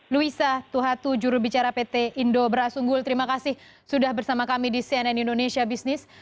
luisa tuhatu jurubicara pt indobra sunggul terima kasih sudah bersama kami di cnn indonesia business